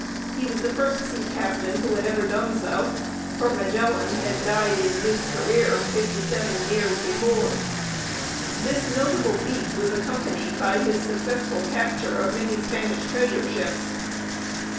He was the first sea captain who had ever done so, for Magellan had died in mid career fifty seven years before. This notable feat was accompanied by his successful capture of many Spanish treasure ships.